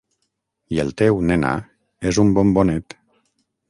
I el teu, nena, és un bombonet...